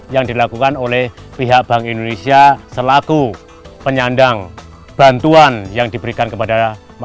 yang dilakukan oleh pihak bank indonesia selaku penyandang bantuan yang diberikan kepada masyarakat